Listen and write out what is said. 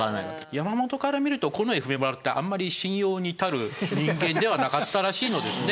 山本から見ると近衛文麿ってあんまり信用に足る人間ではなかったらしいのですね。